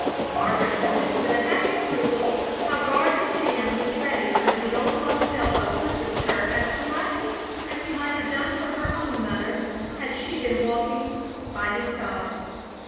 Margaret noticed with a happy approval how Gardley's hand was ready under the old woman's elbow to assist her as politely as he might have done for her own mother had she been walking by his side.